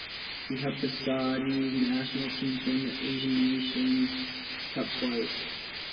He helped the Saudi national team to win the Asian nations cup twice.